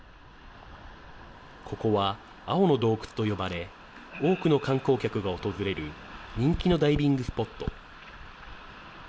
ここは青の洞窟と呼ばれ、多くの観光客が訪れる人気のダイビングスポット。